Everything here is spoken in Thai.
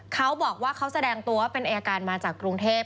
เขาบอกว่าเขาแสดงตัวเป็นอายการมาจากกรุงเทพ